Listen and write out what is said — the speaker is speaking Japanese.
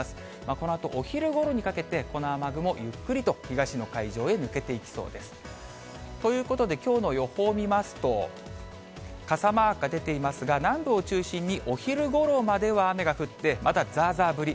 このあとお昼ごろにかけて、この雨雲、ゆっくりと東の海上へ抜けていきそうです。ということで、きょうの予報を見ますと、傘マークが出ていますが、南部を中心にお昼ごろまでは雨が降って、まだざーざー降り。